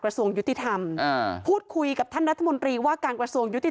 ส่วนยุติธรรมอ่าพูดคุยกับท่านรัฐมนตรีว่าการกระทรวงยุติธรรม